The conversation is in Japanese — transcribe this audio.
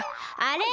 あれ？